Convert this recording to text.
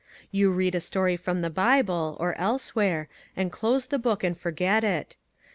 You read a story from the Bible, or elsewhere, and close the book and forget it.